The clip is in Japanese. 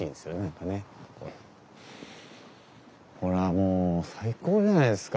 もう最高じゃないですか。